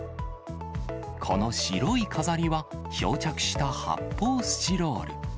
この白い飾りは漂着した発泡スチロール。